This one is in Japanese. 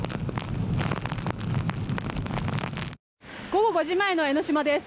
午後５時前の江の島です。